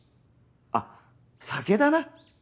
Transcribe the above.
あっ酒だな。